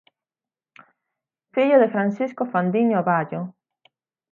Fillo de Francisco Fandiño Vallo.